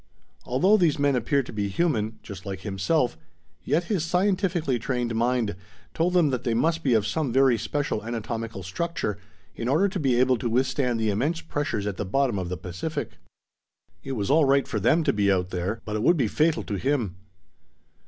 Although these men appeared to be human, just like himself, yet his scientifically trained mind told him that they must be of some very special anatomical structure, in order to be able to withstand the immense pressures at the bottom of the Pacific. It was all right for them to be out there, but it would be fatal to him!